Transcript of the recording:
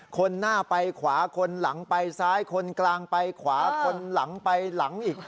คนหน้าไปขวาคนหลังไปซ้ายคนกลางไปขวาคนหลังไปหลังอีก